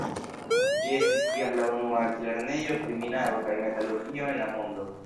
Ĝi estis tiam la unua altlernejo pri minado kaj metalurgio en la mondo.